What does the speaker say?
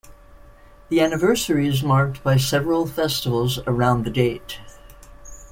The anniversary is marked by several festivals around the date.